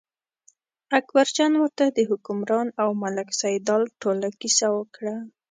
اکبرجان ورته د حکمران او ملک سیدلال ټوله کیسه وکړه.